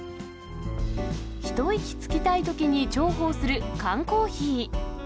一息つきたいときに重宝する缶コーヒー。